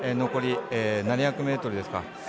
残り７００ｍですか。